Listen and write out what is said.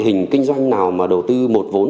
hình kinh doanh nào mà đầu tư một vốn